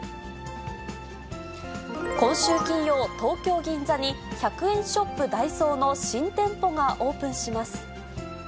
今週金曜、東京・銀座に１００円ショップ、ダイソーの新店舗がオープンします。